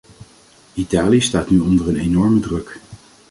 Italië staat nu onder een enorme druk.